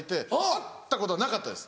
会ったことはなかったです。